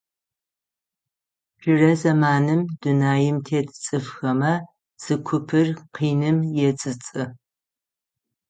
Джырэ зэманым, дунаим тет цӏыфхэмэ, зы купыр къиным ецӏыцӏы.